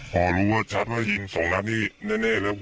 เพราะรู้ว่าชัดอ่ายิงสองนับนี่แน่นแน่นแน่แล้ว